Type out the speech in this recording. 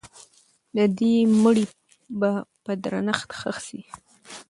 د دې مړي به په درنښت ښخ سي.